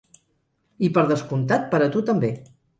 I per descomptat per a tu també!